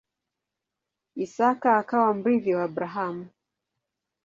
Isaka akawa mrithi wa Abrahamu.